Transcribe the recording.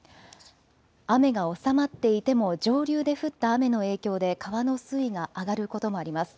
雨が収まっていても上流で降った雨の影響で川の水位が上がることもあります。